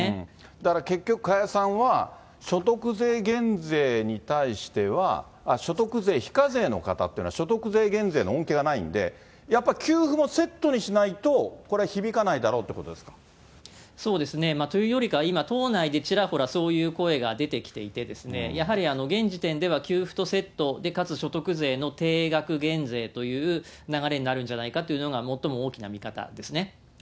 だから結局、加谷さんは所得税減税に対しては、所得税非課税の方っていうのは、所得税減税の恩恵がないんで、やっぱ給付もセットにしないと、これ、響かないだろうということそうですね。というよりかは、今、党内でちらほら、そういう声が出てきていて、やはり現時点では給付とセットでかつ所得税の定額減税という流れになるんじゃないかというのが最も大きな見方ですね。